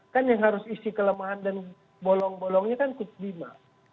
kan yang harus isi kelemahan dan bolong bolongnya kan kut bima